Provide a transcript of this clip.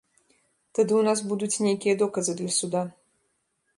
Тады ў нас будуць нейкія доказы для суда.